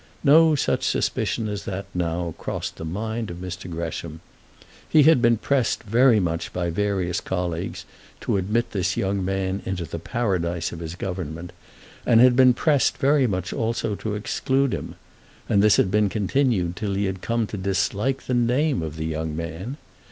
No such suspicion as that now crossed the mind of Mr. Gresham. He had been pressed very much by various colleagues to admit this young man into the Paradise of his government, and had been pressed very much also to exclude him; and this had been continued till he had come to dislike the name of the young man.